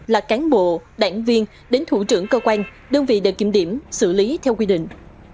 là cán bộ đảng viên đến thủ trưởng cơ quan đơn vị để kiểm điểm xử lý theo quy định